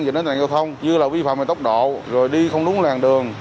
dịch đến tai nạn giao thông như vi phạm về tốc độ đi không đúng làng đường